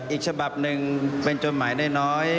อีกฉบับหนึ่งเป็นจดหมายน้อย